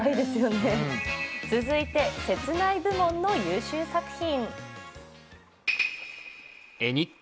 続いて、切ない部門の優秀作品。